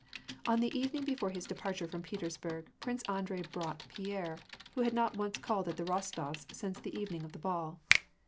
On the evening before his departure from Petersburg, Prince Andrei brought Pierre, who had not once called at the Rostofs since the evening of the ball.